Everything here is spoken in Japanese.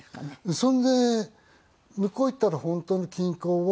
それで向こう行ったら本当の金工を。